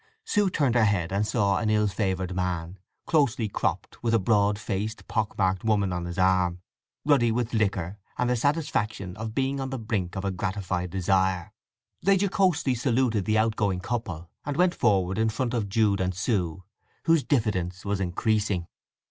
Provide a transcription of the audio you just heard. Sue turned her head and saw an ill favoured man, closely cropped, with a broad faced, pock marked woman on his arm, ruddy with liquor and the satisfaction of being on the brink of a gratified desire. They jocosely saluted the outgoing couple, and went forward in front of Jude and Sue, whose diffidence was increasing.